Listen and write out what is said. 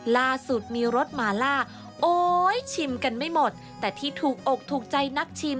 ล่าสุดมีรสมาล่าโอ๊ยชิมกันไม่หมดแต่ที่ถูกอกถูกใจนักชิม